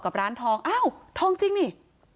ร้านทองอ้าวทองจริงนี่